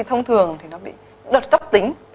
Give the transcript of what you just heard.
thông thường thì nó bị đợt cấp tính